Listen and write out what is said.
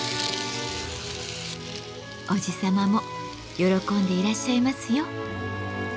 おじ様も喜んでいらっしゃいますよ。